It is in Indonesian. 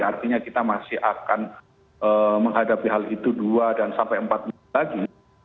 artinya kita masih akan menghadapi hal itu dua dan sampai empat menit lagi